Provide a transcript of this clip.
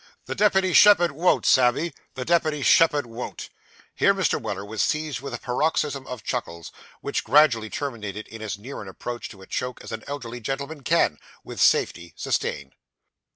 The deputy shepherd won't, Sammy; the deputy shepherd won't.' Here Mr. Weller was seized with a paroxysm of chuckles, which gradually terminated in as near an approach to a choke as an elderly gentleman can, with safety, sustain.